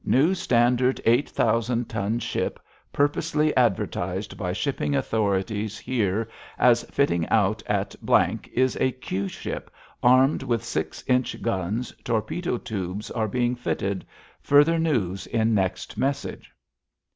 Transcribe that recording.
—New standard eight thousand ton ship purposely advertised by shipping authorities here as fitting out at —— is a 'Q' ship, armed with six inch guns, torpedo tubes are being fitted. Further news in next message."